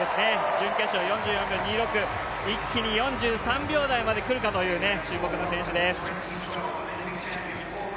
準決勝、４４秒２６、一気に４３秒台までくるかという注目の選手です。